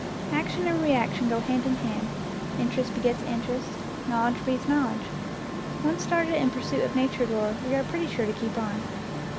Action and reaction go hand in hand; interest begets interest; knowledge breeds knowledge. Once started in pursuit of nature lore, we are pretty sure to keep on.